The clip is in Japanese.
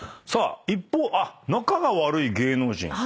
さあ一方あっ仲が悪い芸能人。